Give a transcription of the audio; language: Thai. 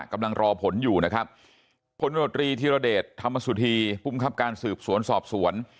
กำลังรอผลอยู่นะครับผลวิทยาลเดชน์ธรรมสุธีปุ้มคับการสืบสวนสอบสวน